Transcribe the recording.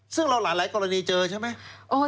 ซึ่งเราหลายกรณีเจอใช่ไหม